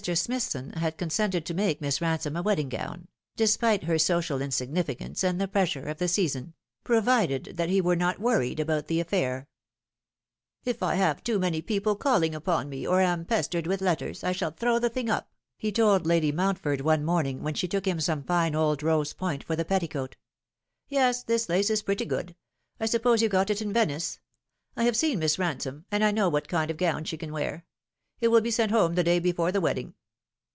Smithson had con sented to make Miss Ransome a wedding gown despite her social insignificance and the pressure of the season provided tkat he were not worried about the afuur. How should 1 Greet Thee t 323 " If I have too many people calling upon me, or am pestered with letters, I shall throw the thing up," he told Lady Mount ford one morning, when she took him some fine old rose point for the petticoat. ",Yes, this lace is pretty good. I suppose you got it in Venice. I have seen Miss Bansome, and I know what kind of gown she can wear. It will be sent home the day before the wedding."